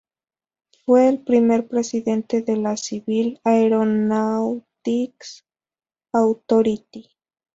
Fue el primer presidente de la "Civil Aeronautics Authority.